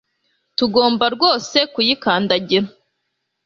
Tugomba rwose kuyikandagira